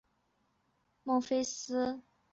第四王朝的首都在孟菲斯。